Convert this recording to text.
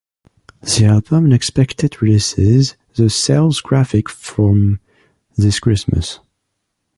The album unexpected releases the sells graphic from this Christmas.